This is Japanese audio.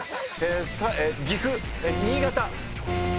岐阜新潟。